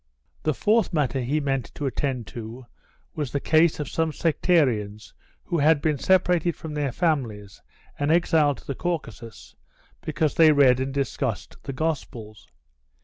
The fourth matter he meant to attend to was the case of some sectarians who had been separated from their families and exiled to the Caucasus because they read and discussed the Gospels.